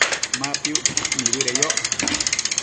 Ma piucquid nibëdeyoc